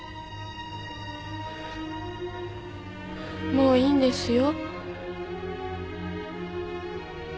もういいんですよ。